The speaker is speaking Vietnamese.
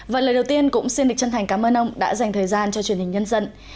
và lời đầu tiên cũng xin được chân thành cảm ơn ông đã dành thời gian cho truyền hình nhân dân